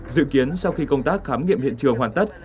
dự kiến sau khi công tác khám nghiệm hiện trường hoàn tất